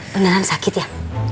beneran sakit ya